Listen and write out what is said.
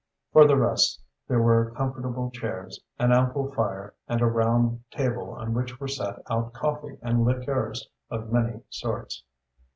For the rest, there were comfortable chairs, an ample fire, and a round table on which were set out coffee and liqueurs of many sorts.